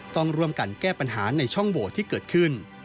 ต้องร่วมกันแก้ปัญหาในช่องโหวตที่เกิดขึ้น